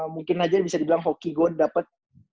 mungkin aja bisa dibilang hoki gue dapat